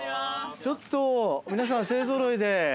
ちょっと皆さん勢ぞろいで。